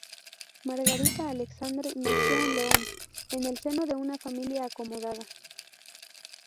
Margarita Alexandre nació en León, en el seno de una familia acomodada.